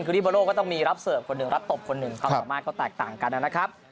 คือดิบอ็อโลก็ต้องมีรับเสิร์ฟคนนึงรับตบคนนึงความสามารถก็ตรงนะครับ